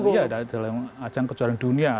iya dalam ajang kejuaraan dunia